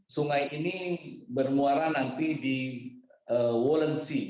sungai ini bermuara nanti di wolensi